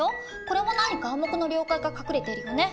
これも何か「暗黙の了解」が隠れているよね。